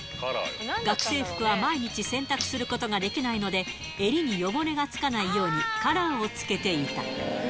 学生服は毎日洗濯することができないので、襟に汚れがつかないように、カラーをつけていた。